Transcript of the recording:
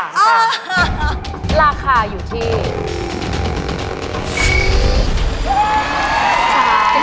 ราคาอยู่ที่